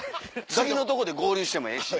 次のとこで合流してもええし。